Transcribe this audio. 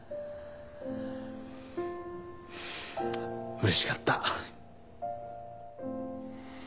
うれしかった。